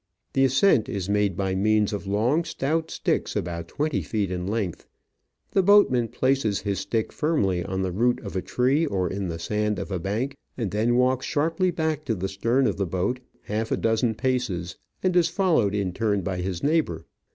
The ascent is made by means of long, stout sticks about twenty feet in length. The boatman places his stick firmly on the root of a tree or in the sand of a bank, and then walks sharply back to the stern of the boat half a dozen paces, and is followed in turn by his neighbour.